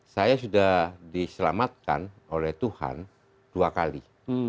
saya sudah diselamatkan oleh tuhan dua kali